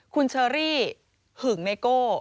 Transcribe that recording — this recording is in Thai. คุณเชอรี่หึงไนโก้